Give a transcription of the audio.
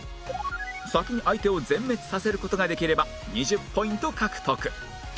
先に相手を全滅させる事ができれば２０ポイント獲得